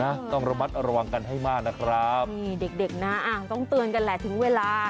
ต้องระมัดระวังกันให้มากนะครับนี่เด็กเด็กนะอ่างต้องเตือนกันแหละถึงเวลา